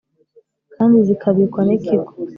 kandi zikabikwa n Ikigo